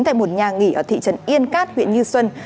tại một nhà nghỉ ở thị trấn yên cát huyện như xuân